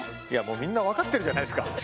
いやもうみんな分かってるじゃないですか。